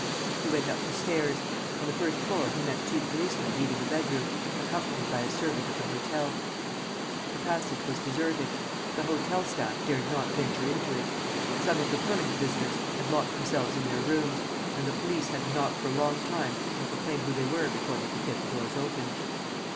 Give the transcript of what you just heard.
He went up the stairs. On the first floor he met two policemen leaving a bedroom, accompanied by a servant of the hotel. The passage was deserted. The hotel staff dared not venture into it. Some of the permanent visitors had locked themselves in their rooms; and the police had to knock for a long time and proclaim who they were before they could get the doors opened.